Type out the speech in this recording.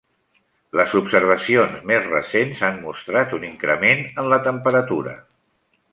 Les observacions més recents han mostrat un increment en la temperatura.